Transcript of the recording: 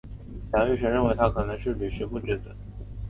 梁玉绳认为他可能是虢石父之子。